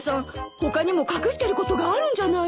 他にも隠してることがあるんじゃないの？